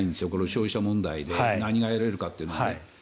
消費者問題で何が得られるかというのはね。